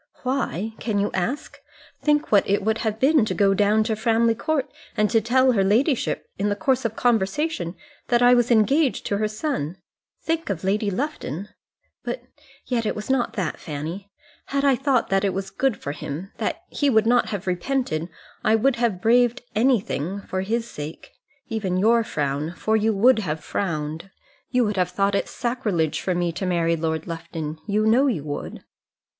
"Why? Can you ask? Think what it would have been to go down to Framley Court, and to tell her ladyship in the course of conversation that I was engaged to her son. Think of Lady Lufton. But yet it was not that, Fanny. Had I thought that it was good for him, that he would not have repented, I would have braved anything for his sake. Even your frown, for you would have frowned. You would have thought it sacrilege for me to marry Lord Lufton! You know you would."